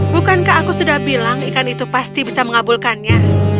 bukankah aku sudah bilang ikan itu pasti bisa mengabulkannya